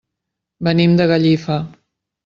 Venim de Gallifa.